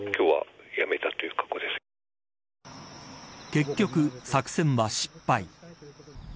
結局作戦は失敗。